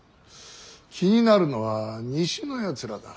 気になるのは西のやつらだ。